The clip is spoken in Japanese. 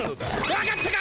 分かったか！